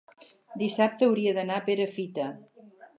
dissabte hauria d'anar a Perafita.